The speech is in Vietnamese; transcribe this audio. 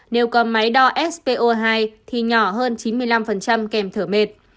nếu có máy đo sco hai thì nhỏ hơn chín mươi năm kèm thở mệt